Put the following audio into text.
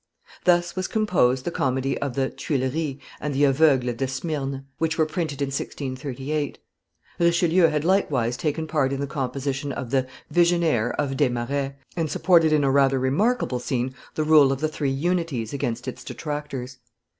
Thus was composed the comedy of the Tuileries and the Aveugle de Smyrne, which were printed in 1638; Richelieu had likewise taken part in the composition of the Visionnaires of Desmarets, and supported in a rather remarkable scene the rule of the three unities against its detractors.